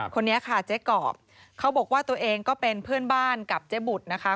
คนนี้ค่ะเจ๊ก่อเขาบอกว่าตัวเองก็เป็นเพื่อนบ้านกับเจ๊บุตรนะคะ